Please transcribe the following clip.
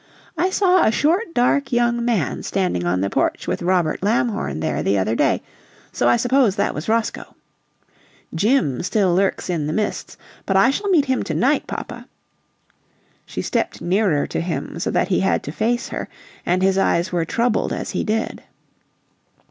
I saw a short, dark young man standing on the porch with Robert Lamhorn there the other day, so I suppose that was Roscoe. 'Jim' still lurks in the mists, but I shall meet him to night. Papa " She stepped nearer to him so that he had to face her, and his eyes were troubled as he did.